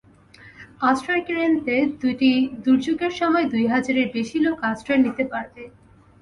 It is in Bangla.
আশ্রয়কেন্দ্রে দুটিতে দুর্যোগের সময় দুই হাজারের বেশি লোক আশ্রয় নিতে পারবে।